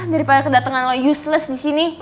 daripada kedatengan lo useless di sini